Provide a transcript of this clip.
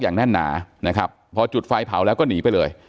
แน่นหนานะครับพอจุดไฟเผาแล้วก็หนีไปเลย